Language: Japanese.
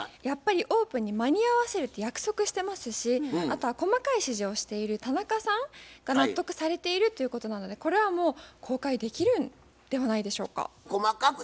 やっぱりオープンに間に合わせるって約束してますしあとは細かい指示をしている田中さんが納得されているということなのでこれはもう公開できるんではないでしょうか。